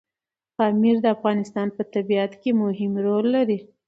پامیر د افغانستان په طبیعت کې مهم رول لري.